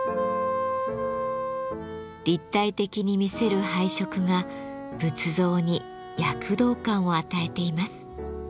立体的に見せる配色が仏像に躍動感を与えています。